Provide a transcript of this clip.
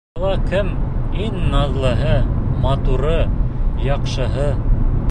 Донъяла кем иң наҙлыһы, матуры, яҡшыһы?